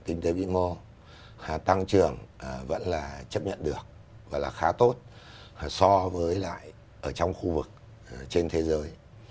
kinh tế vĩ ngô tăng trường vẫn là chấp nhận được và là khá tốt so với lại ở trong khu vực trên thế giới